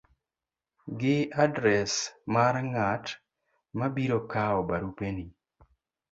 gi adres mar ng'at ma biro kawo barupeni,